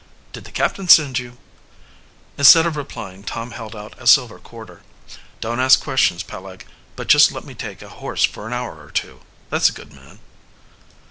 Did the captain send you?" Instead of replying Tom held out a silver quarter. "Don't ask questions, Peleg, but just let me take a horse for an hour or two, that's a good man."